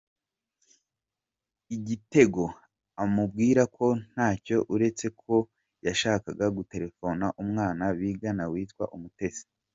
Igitego amubwira ko ntacyo uretse ko yashakaga gutelefona umwana bigana witwa Umutesi.